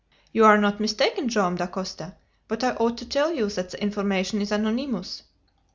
"You are not mistaken, Joam Dacosta, but I ought to tell you that the information is anonymous."